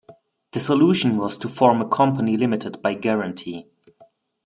The solution was to form a company limited by guarantee.